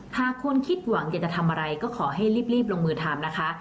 ถ้าคุณคิดหวังจะทำอะไรก็ขอให้รีบลงมือทำนะคะ